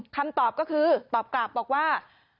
คำตอบก็คือตอบกลับบอกว่า